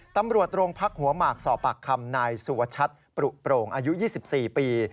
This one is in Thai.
ตำรวจโรงพักหัวหมากสอบปากคำนายสุวชัดปรุโปร่งอายุ๒๔ปี